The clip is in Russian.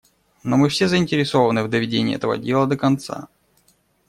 Но мы все заинтересованы в доведении этого дела до конца.